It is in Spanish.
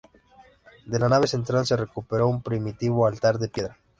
De la nave central se recuperó un primitivo altar de piedra.